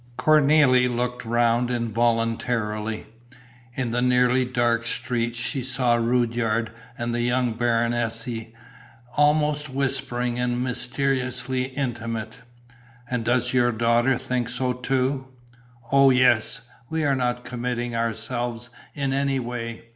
Cornélie looked round involuntarily. In the nearly dark street she saw Rudyard and the young Baronesse, almost whispering and mysteriously intimate. "And does your daughter think so too?" "Oh, yes! We are not committing ourselves in any way.